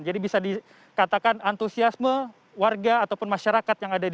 jadi bisa dikatakan antusiasme warga ataupun masyarakat yang ada diantara